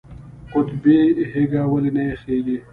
قطبي هیږه ولې نه یخیږي؟